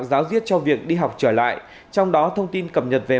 giáo diết cho việc đi học trở lại trong đó thông tin cập nhật về